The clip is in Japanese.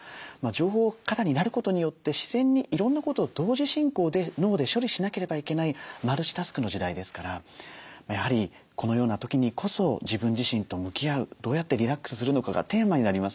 情報過多になることによって自然にいろんなことを同時進行で脳で処理しなければいけないマルチタスクの時代ですからやはりこのような時にこそ自分自身と向き合うどうやってリラックスするのかがテーマになりますよね。